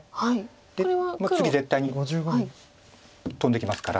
で次絶対に飛んできますから。